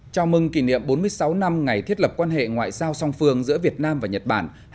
chào mừng kỷ niệm bốn mươi sáu năm ngày thiết lập quan hệ ngoại giao song phương giữa việt nam và nhật bản